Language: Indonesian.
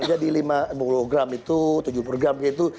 jadi lima puluh gram itu tujuh puluh gram itu